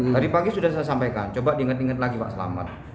tadi pagi sudah saya sampaikan coba diingat ingat lagi pak selamat